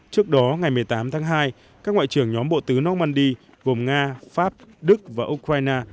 trước đó ngày một mươi tám tháng hai các ngoại trưởng nhóm bộ tứ normandy gồm nga pháp đức và ukraine